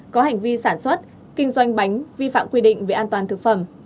có hành vi sản xuất kinh doanh bánh vi phạm quy định về an toàn thực phẩm